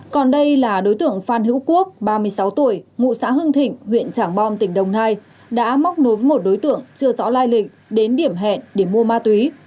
còn đây là đối tượng phan hữu quốc ba mươi sáu tuổi ngụ xã hưng thịnh huyện trảng bom tỉnh đồng nai đã móc nối với một đối tượng chưa rõ lai lịch đến điểm hẹn để mua ma túy